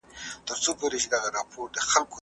ده د چاپېريال ساتنې ته پام کاوه.